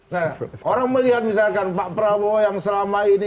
nah orang melihat misalkan pak prabowo yang selama ini